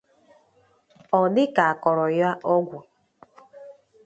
Ọ dị ka a kọrọ ya ọgwụ